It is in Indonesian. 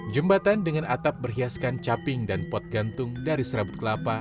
jembatan dengan atap berhiaskan caping dan pot gantung dari serabut kelapa